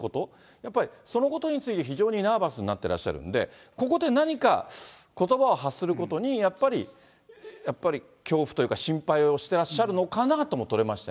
やっぱりそのことについて、非常にナーバスになってらっしゃるんで、ここで何か、ことばを発することに、やっぱり、やっぱり恐怖というか、心配をしてらっしゃるのかなとも取れました。